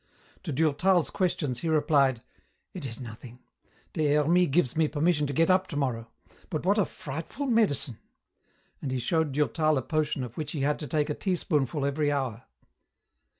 To Durtal's questions he replied, "It is nothing. Des Hermies gives me permission to get up tomorrow. But what a frightful medicine!" and he showed Durtal a potion of which he had to take a teaspoonful every hour.